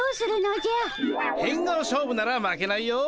変顔勝負なら負けないよ。